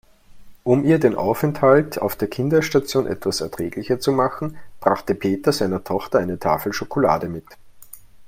Um ihr den Aufenthalt auf der Kinderstation etwas erträglicher zu machen, brachte Peter seiner Tochter eine Tafel Schokolade mit.